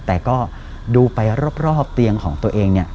แต่ก็ดูไปรอบเตียงของตัวเองเนี่ย